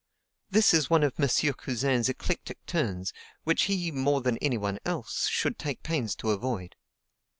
This is one of M. Cousin's eclectic turns, which he, more than any one else, should take pains to avoid.